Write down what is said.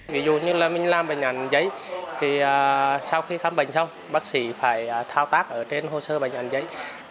ví dụ như là mình làm bệnh án giấy thì sau khi khám bệnh xong bác sĩ phải thao tác ở trên hồ sơ bệnh án giấy